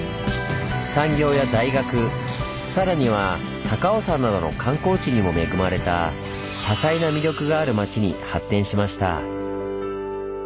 産業や大学さらには高尾山などの観光地にも恵まれた多彩な魅力がある町に発展しました。